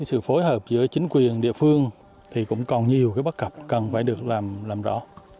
sự phối hợp giữa chính quyền địa phương thì cũng còn nhiều bắt cặp cần phải được làm rõ